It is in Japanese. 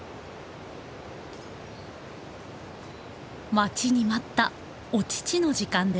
待ちに待ったお乳の時間です。